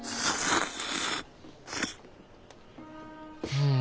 うん。